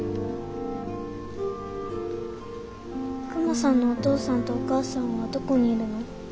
クマさんのお父さんとお母さんはどこにいるの？